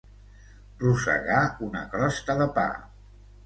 Rosegar una crosta de pa.